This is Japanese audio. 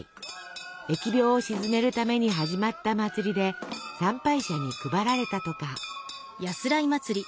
疫病を鎮めるために始まった祭りで参拝者に配られたとか。